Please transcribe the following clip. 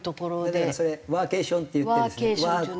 だからそれワーケーションっていってですね